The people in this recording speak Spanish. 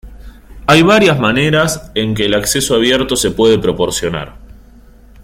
Hay varias maneras en que el acceso abierto se puede proporcionar.